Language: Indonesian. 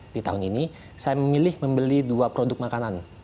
di tahun ini saya memilih membeli dua produk makanan